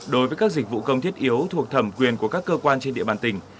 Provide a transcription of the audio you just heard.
đối với các dịch vụ công thiết yếu thuộc thẩm quyền của các cơ quan trên địa bàn tỉnh